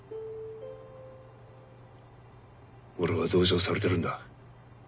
俺は同情されてるんだ。